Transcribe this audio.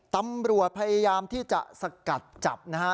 ตำรวจพยายามที่จะสกัดจับนะฮะ